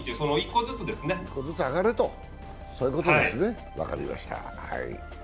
１個ずつ上がれということでですね、分かりました。